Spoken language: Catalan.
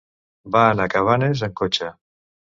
Va anar a Cabanes amb cotxe.